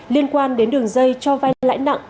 liên quan đến đường dây cho vai lãnh nặng